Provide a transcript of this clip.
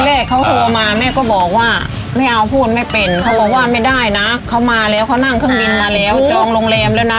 แรกเขาโทรมาแม่ก็บอกว่าไม่เอาพูดไม่เป็นเขาบอกว่าไม่ได้นะเขามาแล้วเขานั่งเครื่องบินมาแล้วจองโรงแรมแล้วนะ